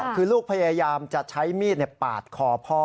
คือลูกพยายามจะใช้มีดปาดคอพ่อ